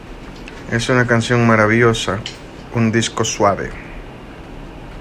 Es una canción "maravillosa", un disco "suave".